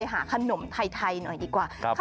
หาขนมไทยหน่อยดีกว่า